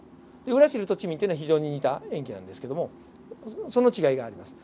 ウラシルとチミンは非常に似た塩基なんですけれどもその違いがあります。